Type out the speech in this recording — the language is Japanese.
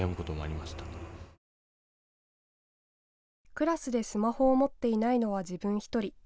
クラスでスマホを持っていないのは自分１人。